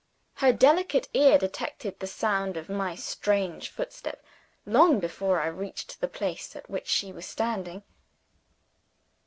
Her delicate ear detected the sound of my strange footstep, long before I reached the place at which she was standing.